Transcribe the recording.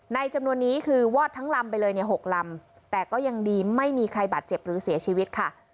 จำนวนนี้คือวอดทั้งลำไปเลยเนี่ย๖ลำแต่ก็ยังดีไม่มีใครบาดเจ็บหรือเสียชีวิตค่ะ